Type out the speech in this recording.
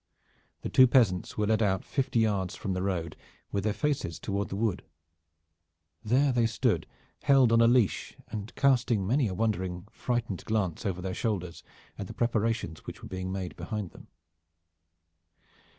The two peasants were led out fifty yards from the road, with their faces toward the wood. There they stood, held on a leash, and casting many a wondering frightened glance over their shoulders at the preparations which were being made behind them.